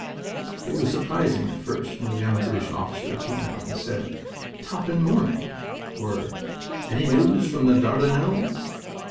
It was surprising at first when a young British officer came out and said, "Toppin' morning," or, "Any news from the Dardanelles?"